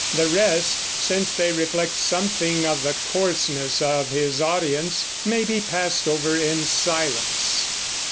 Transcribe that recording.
The rest, since they reflect something of the coarseness of his audience, may be passed over in silence.